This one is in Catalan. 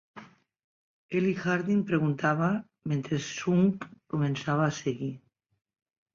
Eli Harding preguntava, mentre Shunk començava a seguir.